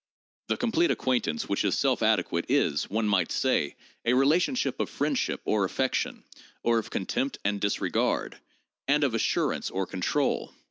The complete acquaintance which is self adequate is, one might say, a relationship of friendship or affection (or of con tempt and disregard) and of assurance or control.